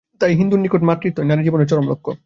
তাই হিন্দুর নিকট মাতৃত্বই নারী-জীবনের চরম লক্ষ্য।